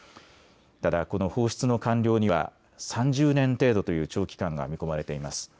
ただ、この放出の完了には３０年程度という長期間が見込まれています。